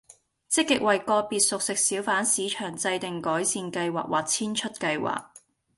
積極為個別熟食小販市場制訂改善計劃或遷出計劃